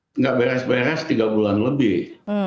tidak beres beres tiga bulan lebih